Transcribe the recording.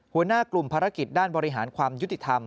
หัวหน้ากลุ่มภารกิจด้านบริหารความยุติธรรม